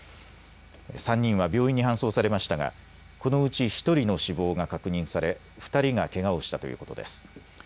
３人は病院に搬送されましたがこのうち１人の死亡が確認され２人がけがをしたということです。